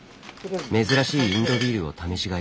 珍しいインドビールを試し買い。